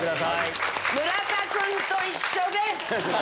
村田君と一緒です！